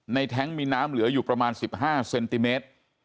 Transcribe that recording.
แท้งมีน้ำเหลืออยู่ประมาณ๑๕เซนติเมตร